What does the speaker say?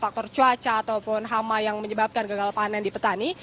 faktor cuaca ataupun hama yang menyebabkan gagal panen di petani